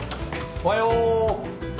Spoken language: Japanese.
おはよう。